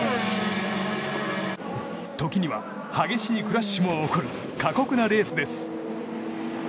時には激しいクラッシュも起こる過酷なレースです。